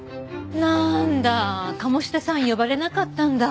なんだ鴨志田さん呼ばれなかったんだ。